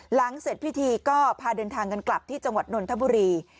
หลังเสร็จพิธีก็พาเดินทางกันกลับที่จังหวัดนนทบุรี